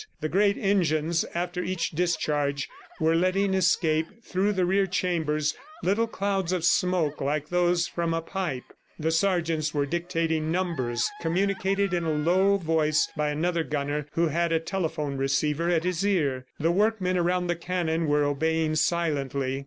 The great engines, after each discharge, were letting escape through the rear chambers little clouds of smoke like those from a pipe. The sergeants were dictating numbers, communicated in a low voice by another gunner who had a telephone receiver at his ear. The workmen around the cannon were obeying silently.